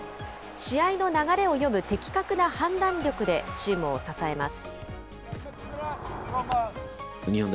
試合の流れを読む的確な判断力でチームを支えます。